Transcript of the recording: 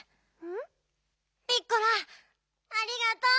ピッコラありがとう！